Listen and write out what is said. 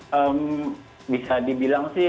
hmm bisa dibilang sih